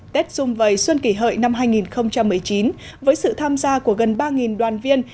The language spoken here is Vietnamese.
tết dung vầy xuân kỷ hợi năm hai nghìn một mươi chín với sự tham gia của gần ba đoàn viên